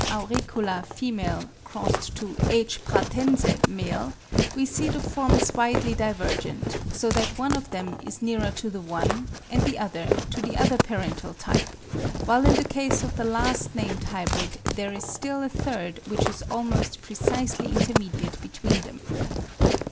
Auricula $ x H. pratense $ we see the forms widely divergent, so that one of them is nearer to the one and the other to the other parental type, while in the case of the last named hybrid there is still a third which is almost precisely intermediate between them.